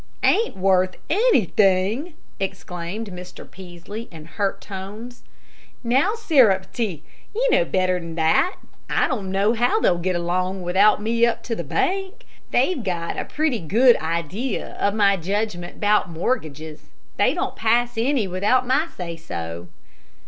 "Ain't worth anythin'!" exclaimed Mr. Peaslee, in hurt tones. "Now, Sarepty, ye know better'n that. I don't know how they'll get along without me up to the bank. They've got a pretty good idee o' my jedgment 'bout mortgages. They don't pass any without my say so."